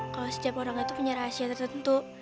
kalau setiap orang itu punya rahasia tertentu